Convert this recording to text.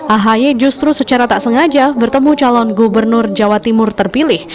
ahy justru secara tak sengaja bertemu calon gubernur jawa timur terpilih